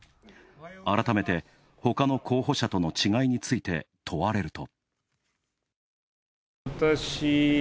改めて、ほかの候補者との違いについて問われると。